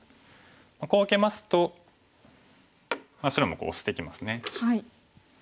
こう受けますと白もオシてきますね。